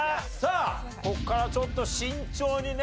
ここからちょっと慎重にね